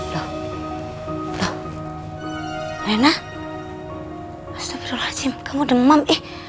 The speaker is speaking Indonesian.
loh loh rena astagfirullahaladzim kamu demam